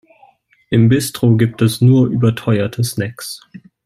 Im Bistro gibt es nur überteuerte Snacks.